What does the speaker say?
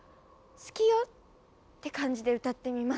「好きよ」って感じで歌ってみます。